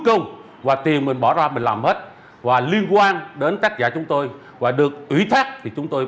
cung và tiền mình bỏ ra mình làm hết và liên quan đến tác giả chúng tôi và được ủy thác thì chúng tôi